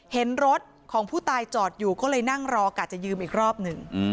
เห็นรถของผู้ตายจอดอยู่ก็เลยนั่งรอกะจะยืมอีกรอบหนึ่ง